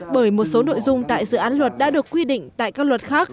bởi một số nội dung tại dự án luật đã được quy định tại các luật khác